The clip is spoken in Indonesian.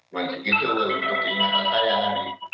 menurut itu untuk ingatan saya nanti